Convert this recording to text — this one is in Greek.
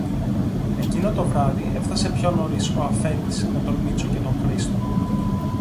Εκείνο το βράδυ έφθασε πιο νωρίς ο αφέντης με τον Μήτσο και τον Χρήστο.